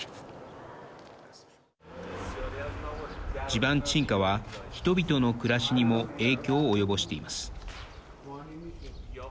地盤沈下は人々の暮らしにも影響を及ぼしています。